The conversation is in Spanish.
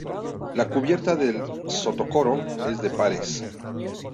La cubierta del sotocoro es de pares.